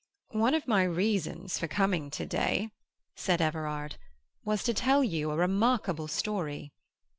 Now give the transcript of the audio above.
"One of my reasons for coming to day," said Everard, "was to tell you a remarkable story.